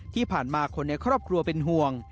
ที่ผ่านมาคนในครอบครัวเป็นห่วง